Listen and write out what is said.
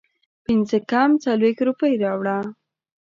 پنځه کم څلوېښت روپۍ راوړه